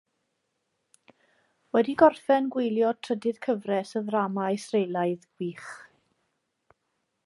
Wedi gorffen gwylio trydydd cyfres y ddrama Israelaidd wych.